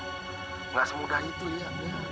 gak semudah itu ya